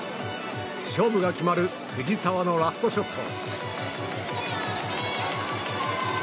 勝負が決まる藤澤のラストショット。